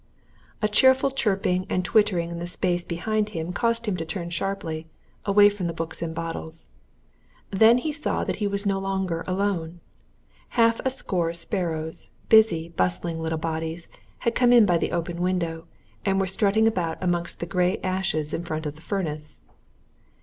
A cheerful chirping and twittering in the space behind him caused him to turn sharply away from the books and bottles. Then he saw that he was no longer alone. Half a score sparrows, busy, bustling little bodies, had come in by the open window, and were strutting about amongst the grey ashes in front of the furnace.